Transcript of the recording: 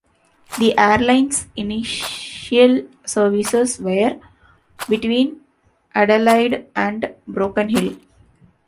The airline's initial services were between Adelaide and Broken Hill.